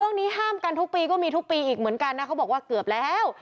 เรื่องนี้ห้ามกันทุกปีก็มีทุกปีอีกเหมือนกันนะเขาบอกว่าเกือบแล้ว